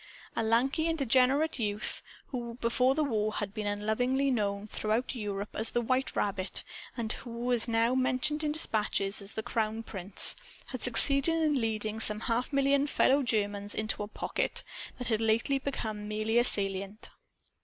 A lanky and degenerate youth (who before the war had been unlovingly known throughout Europe as the "White Rabbit" and who now was mentioned in dispatches as the "Crown Prince") had succeeded in leading some half million fellow Germans into a "pocket" that had lately been merely a salient.